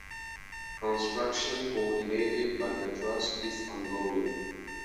Construction coordinated by the trust is ongoing.